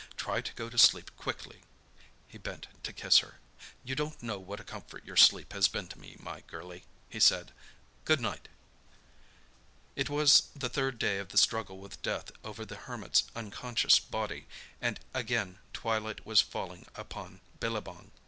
Try to go to sleep quickly." He bent to kiss her. "You don't know what a comfort your sleep has been to me, my girlie," he said. "Good night!" It was the third day of the struggle with death over the Hermit's unconscious body, and again twilight was falling upon Billabong.